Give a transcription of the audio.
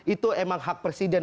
itu emang hak presiden